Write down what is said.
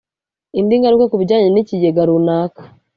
indi ngaruka ku bijyanye n ikigega runaka